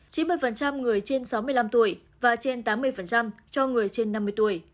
chỉ một mươi người trên sáu mươi năm tuổi và trên tám mươi cho người trên năm mươi tuổi